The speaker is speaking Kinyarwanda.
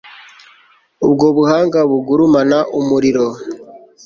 ubwo buhanga bugurumana, umuriro